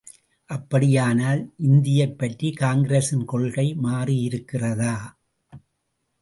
அப்படியானால் இந்தியைப் பற்றிய காங்கிரசின் கொள்கை மாறியிருக்கிறதா?